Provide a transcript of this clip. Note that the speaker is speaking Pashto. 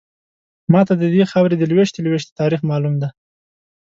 ماته ددې خاورې د لویشتې لویشتې تاریخ معلوم دی.